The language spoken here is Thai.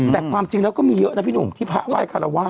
แต่ความจริงแล้วก็มีเยอะนะพี่หนุ่มที่พระไหว้คารวาส